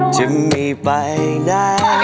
จะมีไปนะ